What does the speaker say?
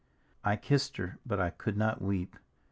" I kissed her, but I could not weep.